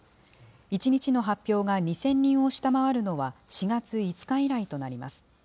１日の発表が２０００人を下回るのは、４月５日以来となります。